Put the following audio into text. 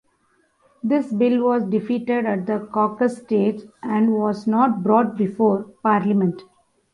This bill was defeated at the caucus stage and was not brought before Parliament.